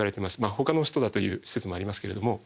ほかの人だという説もありますけれども。